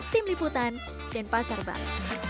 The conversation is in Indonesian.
tim liputan dan pasar bank